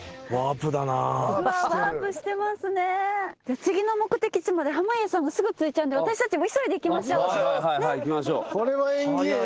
次の目的地まで濱家さんがすぐ着いちゃうんで私たちも急いで行きましょう。